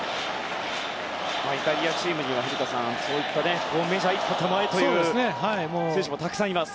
イタリアチームには、そういったメジャーの一歩手前という選手もたくさんいます。